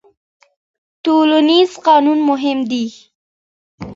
ټولنيز قانون مهم دی.